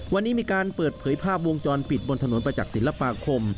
วันนี้มีการเปิดเผยภาพวงจรปิดบนถนนประจักษ์ศิลปาคม